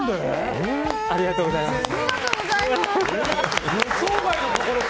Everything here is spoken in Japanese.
ありがとうございます。